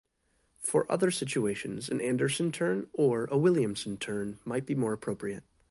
For other situations, an Anderson turn or a Williamson turn might be more appropriate.